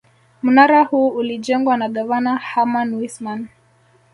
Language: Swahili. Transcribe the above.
Mnara huu ulijengwa na gavana Herman Wissman